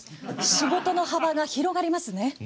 仕事の幅が広がりますね。